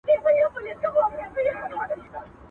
کشکي ستا په خاطر لمر وای راختلی!!